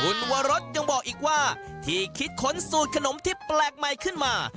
คุณวรสยังบอกอีกว่าที่คิดค้นสูตรขนมที่แปลกใหม่ขึ้นมา